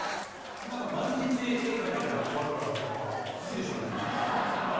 なんか丸一日絵描いてりゃ終わるからやっぱ好きでしたね。